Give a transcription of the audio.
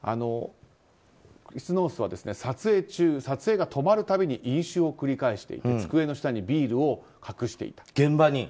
クリス・ノースは撮影中撮影が止まる度に飲酒を繰り返していて机の下にビールを隠していた。